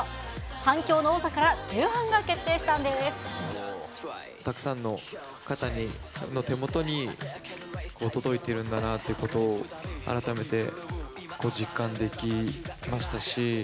反響の多さから重版が決定したんたくさんの方の手元に届いてるんだなということを、改めて実感できましたし。